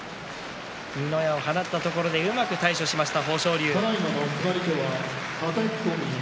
二の矢を放ったところうまく対処した豊昇龍。